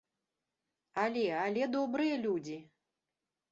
Але, але, добрыя людзі!